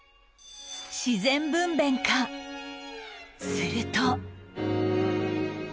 すると